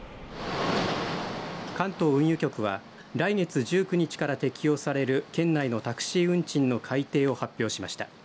関東運輸局は来月１９日から適用される県内のタクシー運賃の改定を発表しました。